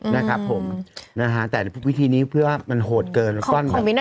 อืมนะครับผมนะฮะแต่วิธีนี้เพื่อว่ามันโหดเกินของของมิ้นต์น่ะ